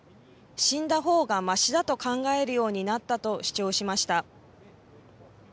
死んだほうがましだと考えるようになったと主張しました。